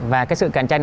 và cái sự cạnh tranh